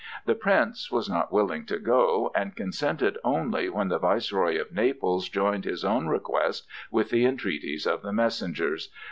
The Prince was not willing to go, and consented only when the Viceroy of Naples joined his own request with the entreaties of the messengers.